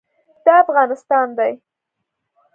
دا افغانستان دی.